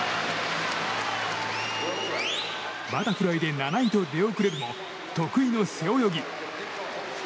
バタフライで７位と出遅れるも得意の背泳ぎ。